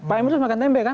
pak emro makan tempe kan